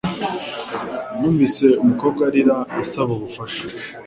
Numvise umukobwa arira asaba ubufasha